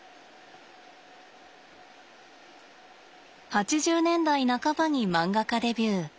８０年代半ばに漫画家デビュー。